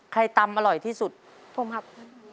ตำอร่อยที่สุดผมครับ